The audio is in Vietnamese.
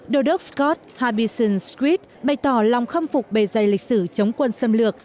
đô đốc scott harbison swift bày tỏ lòng khâm phục bề dây lịch sử chống quân xâm lược